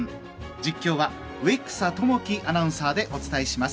実況は植草明樹アナウンサーでお伝えします。